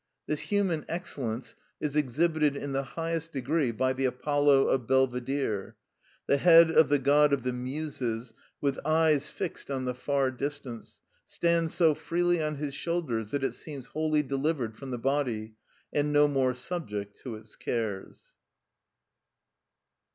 This human excellence is exhibited in the highest degree by the Apollo of Belvedere; the head of the god of the Muses, with eyes fixed on the far distance, stands so freely on his shoulders that it seems wholly delivered from the body, and no more subject to its cares.